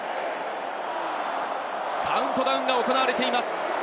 カウントダウンが行われています。